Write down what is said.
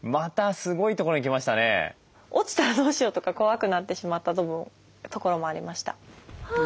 落ちたらどうしようとか怖くなってしまった所もありました。